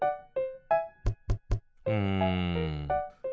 うん。